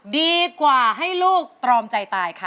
ดีกว่าให้ลูกตรอมใจตายค่ะ